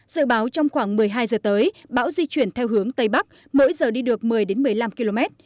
dự báo trong khoảng một mươi hai giờ tới bão di chuyển theo hướng tây bắc mỗi giờ đi được một mươi một mươi năm km